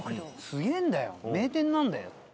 すげぇんだよ名店なんだよ。